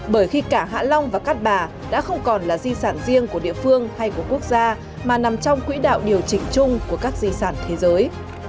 bởi khi cả hạ long và cát bà đã không còn là di sản riêng của địa phương hay của quốc gia mà nằm trong quỹ đạo điều chỉnh chung của các di sản thế giới